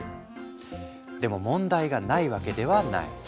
でも問題がないわけではない。